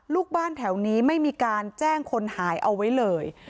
ลูกบ้านแถวนี้ไม่มีการแจ้งคนหายเอาไว้เลย